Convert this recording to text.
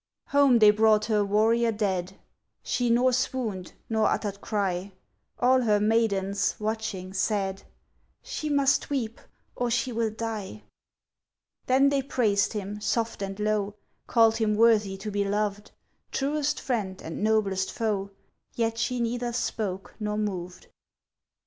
Home they brought her warrior dead: She nor swooned, nor uttered cry; All her maidens, watching, said, "She must weep or she will die." Then they praised him, soft and low, Called him worthy to be loved, Truest friend and noblest foe; Yet she neither spoke nor moved.